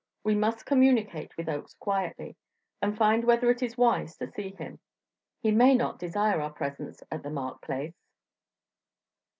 We must communicate with Oakes quietly, and find whether it is wise to see him. He may not desire our presence at the Mark place."